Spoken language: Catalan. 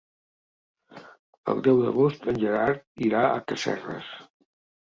El deu d'agost en Gerard irà a Casserres.